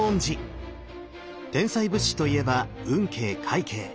天才仏師といえば運慶快慶。